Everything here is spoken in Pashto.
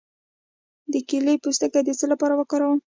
د کیلې پوستکی د څه لپاره وکاروم؟